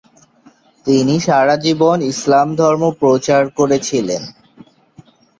তিনি সারা জীবন ইসলাম ধর্ম প্রচার করেছিলেন।